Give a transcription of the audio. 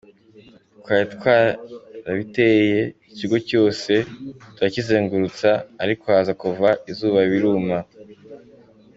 Twari twarabiteye, ikigo cyose turakizengurutsa ariko haza kuva izuba biruma.